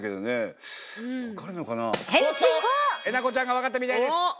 なこちゃんが分かったみたいです！